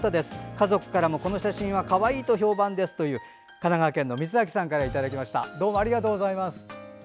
家族からもこの写真は評判ですと神奈川県の光明さんからいただきました。